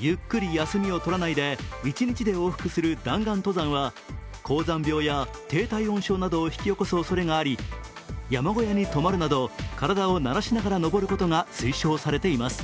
ゆっくり休みをとらないで一日で往復する弾丸登山は高山病や低体温症などを引き起こすおそれがあり山小屋に泊まるなど体を慣らしながら登ことが推奨されています。